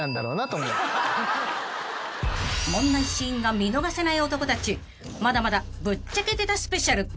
［問題シーンが見逃せない男たちまだまだぶっちゃけてたスペシャル］